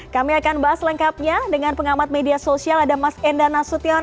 kami akan bahas lengkapnya dengan pengamat media sosial ada mas enda nasution